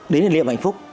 đến điểm hạnh phúc